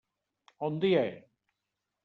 Òndia!